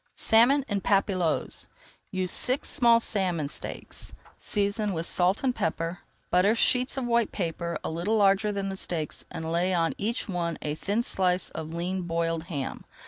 SALMON EN PAPILLOTES Use six small salmon steaks. Season with salt and pepper. Butter sheets of white paper a little larger than the steaks and lay on each one a thin slice of lean boiled ham.